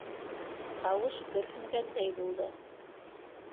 Тауыш көрһөнгәндәй булды: